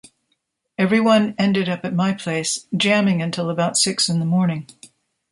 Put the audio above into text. Everyone ended up at my place, jamming until about six in the morning.